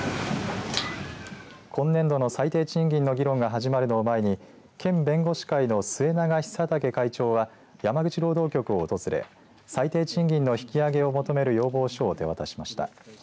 今年度の最低賃金の議論が始まるのを前に県弁護士会の末永久大会長は山口労働局を訪れ最低賃金の引き上げを求める要望書を手渡しました。